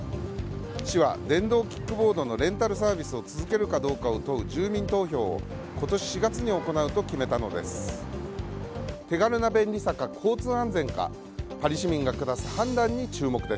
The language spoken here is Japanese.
市は、電動キックボードのレンタルサービスを続けるかどうかを問う住民投票を今年４月に行うと決めたのです。